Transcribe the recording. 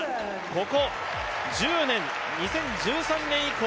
ここ１０年、２０１３年以降、